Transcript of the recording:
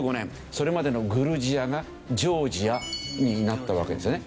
それまでのグルジアがジョージアになったわけですよね。